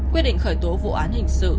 quyết định khởi tố vụ án hình sự